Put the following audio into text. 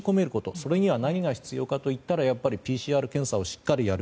それには何が必要かといったらＰＣＲ検査をしっかりやる。